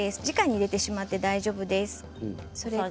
じかに入れてしまって大丈夫です。